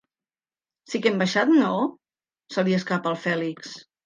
Si que hem baixat, no? —se li escapa al Fèlix.